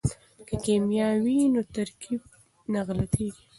که کیمیا وي نو ترکیب نه غلطیږي.